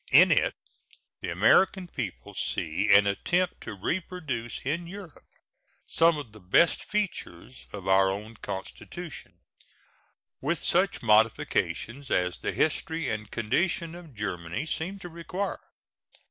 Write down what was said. In it the American people see an attempt to reproduce in Europe some of the best features of our own Constitution, with such modifications as the history and condition of Germany seem to require.